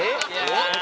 ホント？